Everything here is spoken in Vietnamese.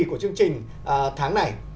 của chương trình tháng này